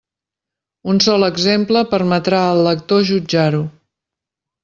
Un sol exemple permetrà al lector jutjar-ho.